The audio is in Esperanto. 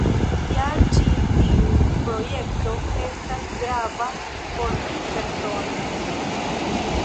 Kial ĉi tiu projekto estas grava por vi persone?